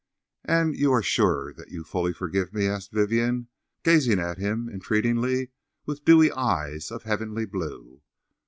"And you are sure that you fully forgive me?" asked Vivien, gazing at him entreatingly with dewy eyes of heavenly blue.